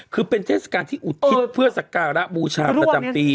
คือเป็นเทศกาลที่อุทิศเพื่อสักการะบูชาประจำปี